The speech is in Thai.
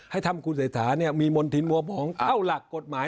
ให้ทำคุณเสทนิษฐานี่มีมนถิงมวบองเข้าหลักกฎหมาย